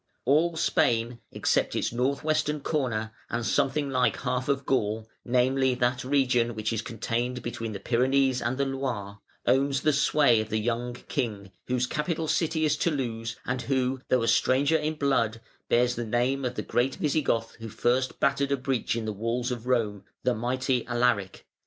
All Spain, except its north western corner, and something like half of Gaul namely, that region which is contained between the Pyrenees and the Loire, owns the sway of the young king, whose capital city is Toulouse, and who, though a stranger in blood, bears the name of the great Visigoth who first battered a breach in the walls of Rome, the mighty Alaric.